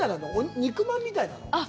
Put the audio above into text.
肉まんみたいなの？